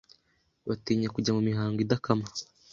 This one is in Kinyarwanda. batinya kujya mu mihango idakama